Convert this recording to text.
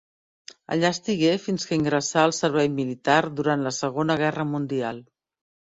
Allà estigué fins que ingressà al servei militar durant la Segona Guerra Mundial.